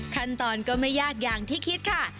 ขั้นตอนก็ไม่ยากอย่างที่คิดค่ะ